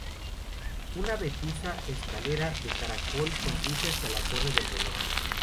Una vetusta escalera de caracol conduce hasta la Torre del Reloj.